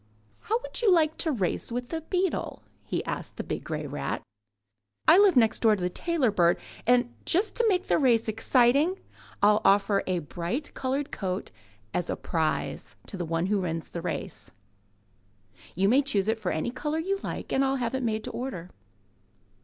How would you like to race with the beetle?'' he asked the big grey rat. '1 live next door to the tailor bird,'* he added, '*and just to make the race exciting Til offer a bright coloured coat as a prize to the one who wins the race. You may choose for it any colour you like and I'll have it made to order."